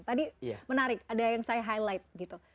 tadi menarik ada yang saya highlight gitu